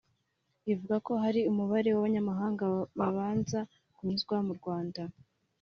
Ivuga ko hari n’umubare w’abanyamahanga babanza kunyuzwa mu Rwanda